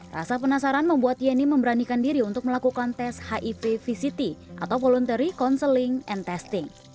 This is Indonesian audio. rasa penasaran membuat yeni memberanikan diri untuk melakukan tes hiv vct atau voluntary counseling and testing